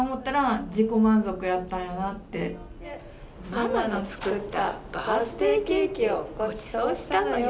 「『ママのつくったバースデイケーキをごちそうしたのよ』」。